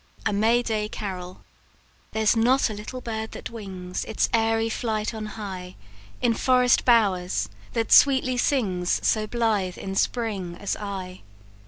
A May Day Carol. "There's not a little bird that wings Its airy flight on high, In forest bowers, that sweetly sings So blithe in spring as I.